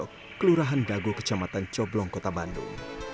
kampung dagupojo kelurahan dagu kecamatan coblong kota bandung